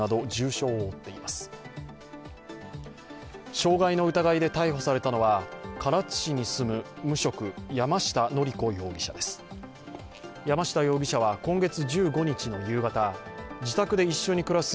傷害の疑いで逮捕されたのは唐津市に住む無職山下則子容疑者です。